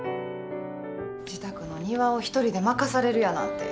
自宅の庭を１人で任されるやなんて。